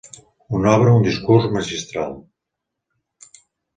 Una obra, un discurs, magistral.